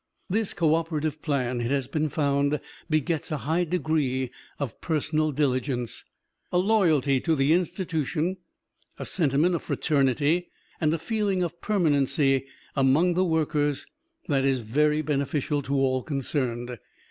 This co operative plan, it has been found, begets a high degree of personal diligence, a loyalty to the institution, a sentiment of fraternity and a feeling of permanency among the workers that is very beneficial to all concerned.